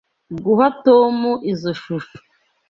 Guha Tom izoi shusho.